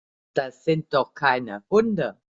Das sind doch keine Hunde.